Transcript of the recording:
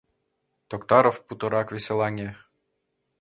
— Токтаров путырак веселаҥе.